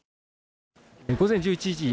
午前１１時。